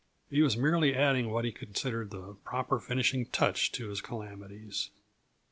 He was merely adding what he considered the proper finishing touch to his calamities.